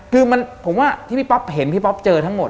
คือผมว่าที่พี่ป๊อปเห็นพี่ป๊อปเจอทั้งหมด